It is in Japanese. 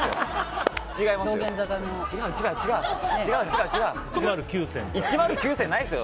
違いますよ。